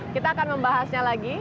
kita akan membahasnya lagi